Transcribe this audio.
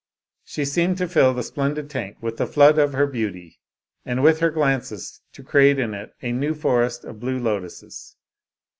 She seemed to fill the splendid tank with the flood of her beauty, and with her glances to create in it a new forest of blue lotuses.